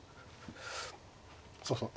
そうそう。